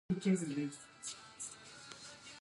موږ غوا نه لرو نو ځکه دا واښه تاته درکوو.